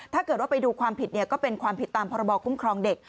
ถ้าเกิดว่าไปดูความผิดก็เป็นความผิดตามพรบคุ้มครองเด็ก